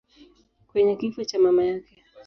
kwenye kifo cha mama yake.